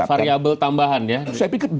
itu variable tambahan ya